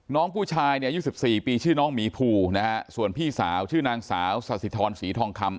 น้องผู้ชายเนี่ยอายุ๑๔ปีชื่อน้องหมีภูนะฮะส่วนพี่สาวชื่อนางสาวสาธิธรศรีทองคำ